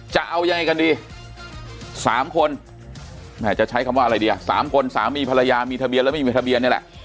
จะเอายังไงกันดี๓คนแม่จะใช้คำว่าอะไรดีอ่ะ๓คนสามีภรรยามีทะเบียนแล้วไม่มีทะเบียนนี่แหละ